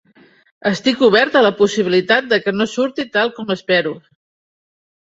Estic obert a la possibilitat de que no surti tal com espero.